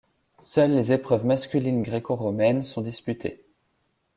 Seules des épreuves masculines gréco-romaines sont disputées.